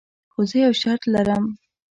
خو زه یو شرط لرم.